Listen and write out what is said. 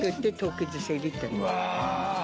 うわ。